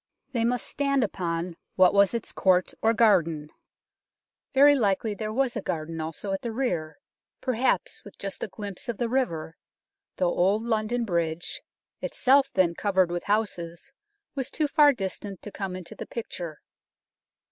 They must stand upon what was its court or garden ; very likely there was a garden also at the rear, perhaps with just a glimpse of the river, though Old London Bridge, itself then covered with houses, was too far distant to come into the picture.